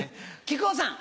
木久扇さん！